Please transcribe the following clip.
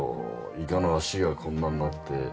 イカの足がこんなんなって。